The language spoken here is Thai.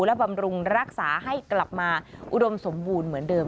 และบำรุงรักษาให้กลับมาอุดมสมบูรณ์เหมือนเดิม